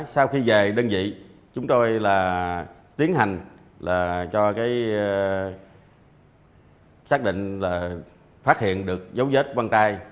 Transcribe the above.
sau khi về đơn vị chúng tôi là tiến hành là cho xác định là phát hiện được dấu vết văn tai